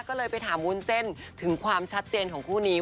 ก็เลยไปถามวุ้นเส้นถึงความชัดเจนของคู่นี้